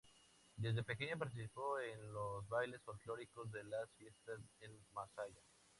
Desde pequeña participó en los bailes folklóricos de las fiestas en Masaya.